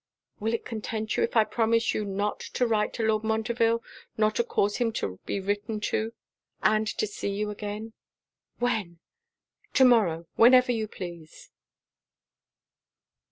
'Will it content you if I promise you not to write to Lord Montreville, nor to cause him to be written to; and to see you again?' 'When?' 'To morrow whenever you please.'